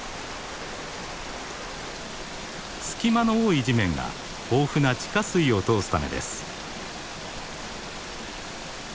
隙間の多い地面が豊富な地下水を通すためです。